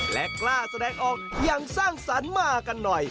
และกล้าแสดงออกอย่างสร้างสรรค์มากันหน่อย